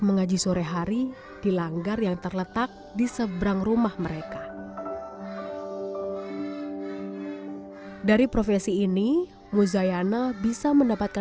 nazila selalu mengalami penyakit tersebut